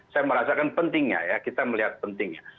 saya merasakan pentingnya ya kita melihat pentingnya